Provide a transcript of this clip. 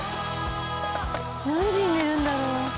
何時に寝るんだろう？